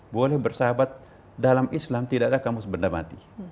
boleh bersahabat dalam islam tidak ada kamus benda mati